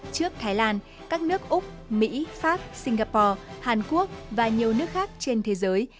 trước thái lan các nước úc mỹ pháp singapore hàn quốc và nhiều nước khác trên thế giới